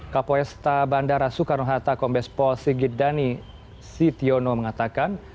kapolesta bandara sukarno hatta kombes pol sigitdani sitiono mengatakan